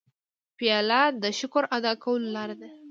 پیاله د شکر ادا کولو لاره ده.